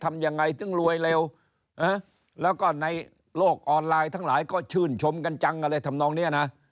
ทำยังไงถึงรวยเร็วแล้วก็ในโลกออนไลน์ทั้งหลายก็ชื่นชมกันจังอะไรทำนองเนี้ยนะ